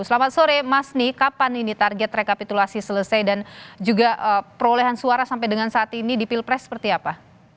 selamat sore mas kapan ini target rekapitulasi selesai dan juga perolehan suara sampai dengan saat ini di pilpres seperti apa